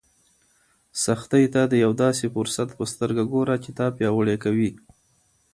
سختۍ ته د یو داسې فرصت په سترګه ګوره چې تا پیاوړی کوي.